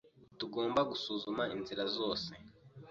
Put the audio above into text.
Tugomba gusuzuma inzira zose.